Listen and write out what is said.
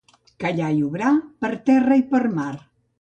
Callar i obrar per terra i per mar.